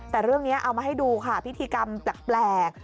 แต่เรื่องนี้เอามาให้ดูค่ะพิธีกรรมแปลก